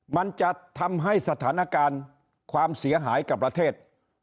มันจะทำให้สถานการณ์ความเสียหายกับประเทศ